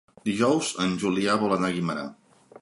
Dijous en Julià vol anar a Guimerà.